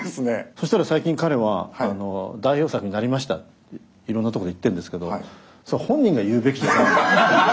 そしたら最近彼は代表作になりましたっていろんなとこで言ってんですけど本人が言うべきじゃない。